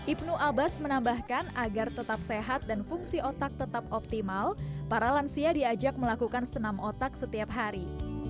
ibnu abbas menambahkan agar tetap sehat dan fungsi otak tetap optimal para lansia diajak melakukan senam otak setiap hari